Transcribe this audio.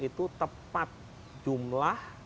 itu tepat jumlah